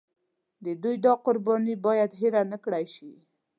د دوی دا قرباني باید هېره نکړای شي.